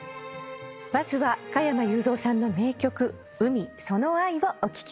まずは加山雄三さんの名曲『海その愛』をお聴きください。